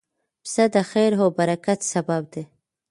پسه د خیر او برکت سبب دی.